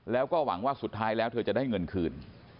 แล้วก็หวังว่าสุดท้ายแล้วเธอจะได้เงินคืน